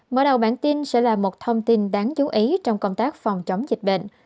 mở đầu bản tin sẽ là một thông tin đáng chú ý trong công tác phòng chống dịch bệnh